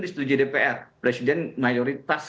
disetujui dpr presiden mayoritas